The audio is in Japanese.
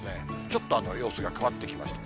ちょっと様子が変わってきました。